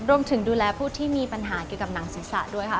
ดูแลผู้ที่มีปัญหาเกี่ยวกับหนังศีรษะด้วยค่ะ